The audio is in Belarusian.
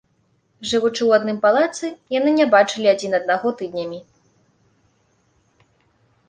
Жывучы ў адным палацы, яны не бачылі адзін аднаго тыднямі.